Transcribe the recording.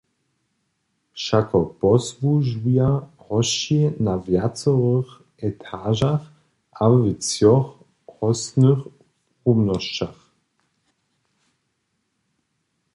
Wšako posłužuja hosći na wjacorych etažach a w třoch hóstnych rumnosćach.